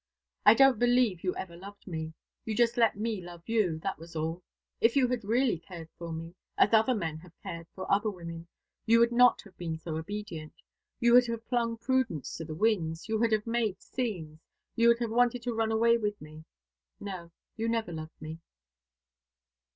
I don't believe you ever loved me. You just let me love you, that was all. If you had really cared for me as other men have cared for other women you would not have been so obedient. You would have flung prudence to the winds you would have made scenes you would have wanted to run away with me. No, you never loved me."